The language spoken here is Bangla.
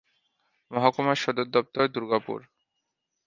মহকুমার সদর দপ্তর দুর্গাপুর।